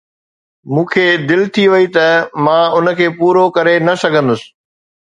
مون کي دل ٿي وئي ته مان ان کي پورو ڪري نه سگھندس.